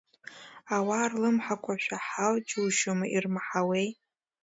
Ауаа рлымҳақәа шәаҳау џьушьома, ирмаҳауеи.